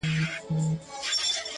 • بس هر قدم مي د تڼاکو تصویرونه وینم ,